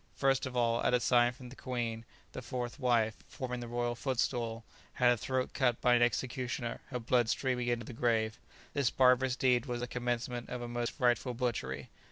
First of all, at a sign from the queen, the fourth wife, forming the royal footstool had her throat cut by an executioner, her blood streaming into the grave. This barbarous deed was the commencement of a most frightful butchery.